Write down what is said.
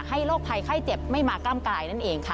โรคภัยไข้เจ็บไม่มากล้ามกายนั่นเองค่ะ